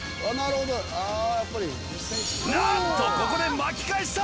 なんとここで巻き返した！